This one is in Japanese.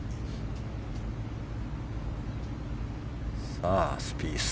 さあ、スピース。